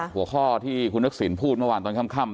หัวข้อที่คุณทักษิณพูดเมื่อวานตอนค่ำ